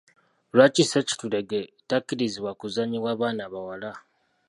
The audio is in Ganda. Lwaki Ssekitulege takkirizibwa kuzannyibwa baana bawala?